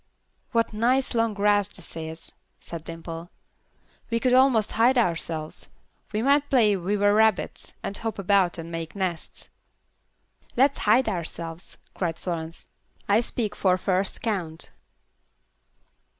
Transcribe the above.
"What nice long grass this is," said Dimple. "We could almost hide ourselves. We might play we were rabbits, and hop about and make nests." "Let's hide ourselves," cried Florence. "I speak for first count.